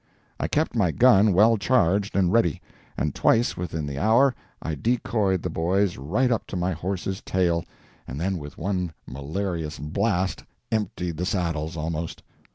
I kept my gun well charged and ready, and twice within the hour I decoyed the boys right up to my horse's tail, and then with one malarious blast emptied the saddles, almost.